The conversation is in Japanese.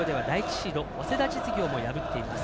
シード早稲田実業も破っています。